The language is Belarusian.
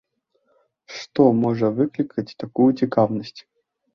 Што можа выклікаць такую цікавасць?